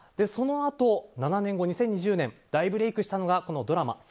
そのあと７年後２０２０年大ブレークしたのがドラマ